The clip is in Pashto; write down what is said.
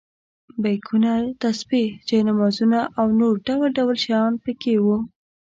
بیکونه، تسبیح، جاینمازونه او نور ډول ډول شیان په کې وو.